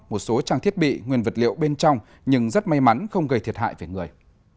một số trang thiết bị nguyên vật liệu bên trong nhưng rất may mắn không gây thiệt hại về người